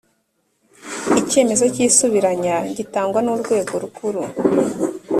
icyemezo cy isubiranya gitangwa nurwego rukuru.